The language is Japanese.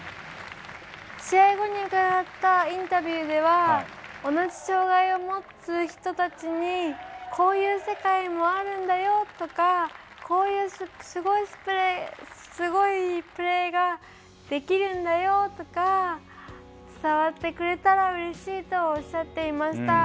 試合後に伺ったインタビューでは同じ障がいを持つ人たちにこういう世界もあるんだよとかこういうすごいプレーができるんだよとか伝わってくれたらうれしいとおっしゃっていました。